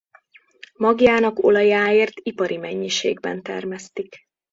Magjának olajáért ipari mennyiségben termesztik.